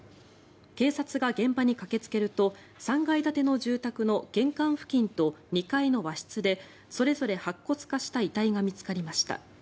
警察が現場に駆けつけると３階建ての住宅の玄関付近と２階の和室でそれぞれ白骨化した遺体が見つかりました。